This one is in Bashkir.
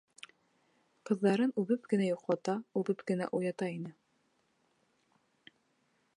Ҡыҙҙарын үбеп кенә йоҡлата, үбеп кенә уята ине.